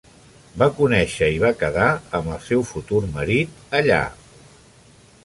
Va conèixer i va quedar amb el seu futur marit allà.